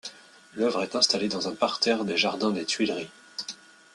L'œuvre est installée dans un parterre des jardins des Tuileries.